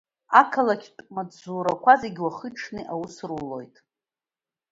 Ақалақьтә маҵзурақәа зегьы уахи-ҽни аус рулоит.